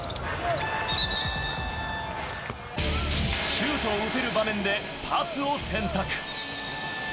シュートを打てる場面でパスを選択。